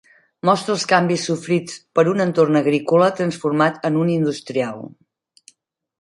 Mostra els canvis sofrits per un entorn agrícola transformat en un industrial.